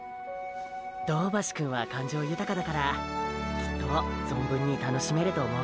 銅橋くんは感情豊かだからきっと存分に楽しめると思うよ。